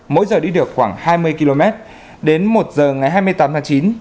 mỗi giờ đi được khoảng hai mươi km đến một giờ ngày hai mươi tám tháng chín